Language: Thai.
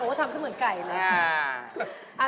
โอ้โฮทำเสมือนไก่เลย